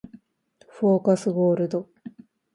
フォーカスゴールド